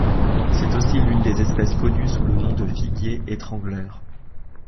C'est aussi l'une des espèces connues sous le nom de figuier étrangleur.